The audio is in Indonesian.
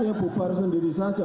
ya bubar sendiri saja